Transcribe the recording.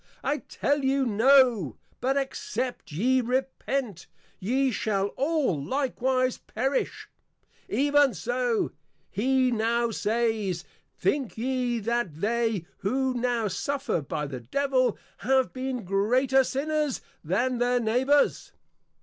I tell you No, But except ye Repent, ye shall all likewise Perish:_ Even so, he now says, _Think ye that they who now suffer by the Devil, have been greater Sinners than their Neighbours?